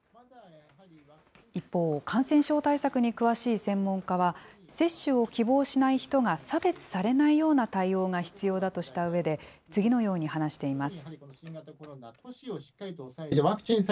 一方、感染症対策に詳しい専門家は、接種を希望しない人が差別されないような対応が必要だとしたうえで、次のように話しています。